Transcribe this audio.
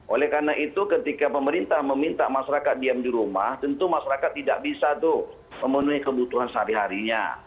oleh karena itu ketika pemerintah meminta masyarakat diam di rumah tentu masyarakat tidak bisa tuh memenuhi kebutuhan sehari harinya